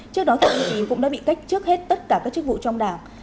trước đó thì tỉnh cũng đã bị cách chức hết tất cả các chức vụ trong đảng